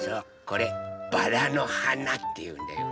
これバラのはなっていうんだよ。